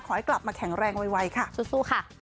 ขอให้กลับมาแข็งแรงไวค่ะสู้ค่ะ